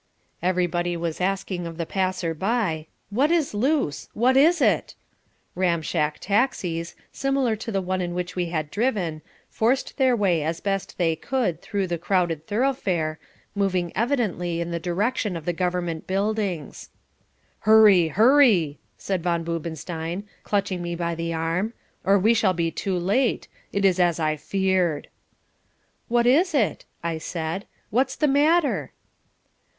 Everybody was asking of the passer by, "What is loose? What is it?" Ramshack taxis, similar to the one in which we had driven, forced their way as best they could through the crowded thoroughfare, moving evidently in the direction of the government buildings. "Hurry, hurry!" said Von Boobenstein, clutching me by the arm, "or we shall be too late. It is as I feared." "What is it?" I said; "what's the matter?"